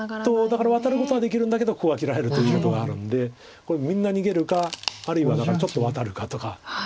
だからワタることはできるんだけどここは切られるということがあるんでこれみんな逃げるかあるいはだからちょっとワタるかとか。